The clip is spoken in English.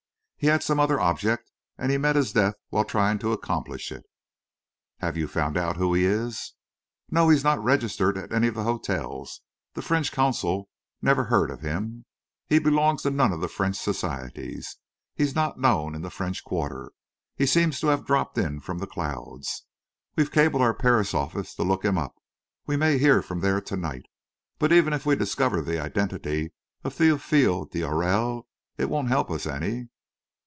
He had some other object, and he met his death while trying to accomplish it." "Have you found out who he is?" "No; he's not registered at any of the hotels; the French consul never heard of him; he belongs to none of the French societies; he's not known in the French quarter. He seems to have dropped in from the clouds. We've cabled our Paris office to look him up; we may hear from there to night. But even if we discover the identity of Théophile d'Aurelle, it won't help us any."